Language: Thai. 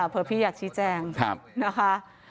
เพื่อพี่อยากชี้แจงนะคะ